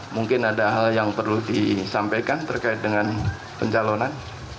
mungkin ada hal yang perlu disampaikan terkait dengan pencalonan